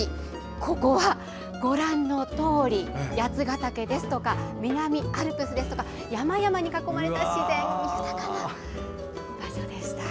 ここはご覧のとおり八ヶ岳ですとか南アルプスとか山々に囲まれた自然豊かな場所でした。